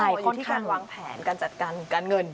อ๋ออยู่ที่การวางแผนการจัดการการเงิน